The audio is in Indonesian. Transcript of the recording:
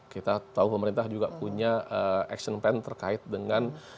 kita tahu pemerintah juga punya action plan terkait dengan